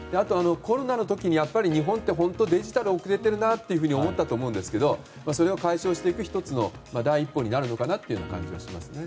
コロナの時に日本ってデジタルが遅れてるなと思ったと思うんですがそれを解消していく１つの第一歩になるという感じがしますね。